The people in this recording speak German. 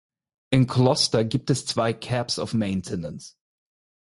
In Gloucester gibt es zwei Caps of Maintenance.